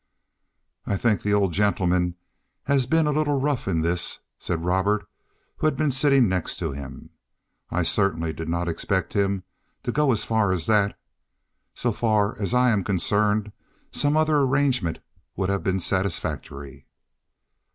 "I think the old gentleman has been a little rough in this," said Robert, who had been sitting next him. "I certainly did not expect him to go as far as that. So far as I am concerned some other arrangement would have been satisfactory."